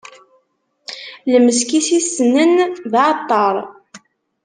Lmesk i s-issnen, d aɛeṭṭaṛ.